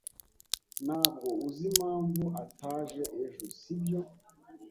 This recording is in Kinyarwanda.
Ntabwo uzi impamvu ataje ejo, sibyo?